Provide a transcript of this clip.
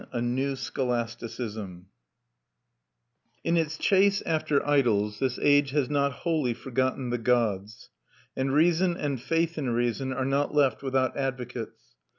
A NEW SCHOLASTICISM In its chase after idols this age has not wholly forgotten the gods, and reason and faith in reason are not left without advocates.